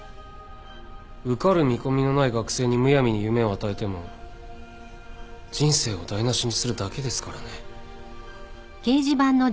受かる見込みのない学生にむやみに夢を与えても人生を台無しにするだけですからね。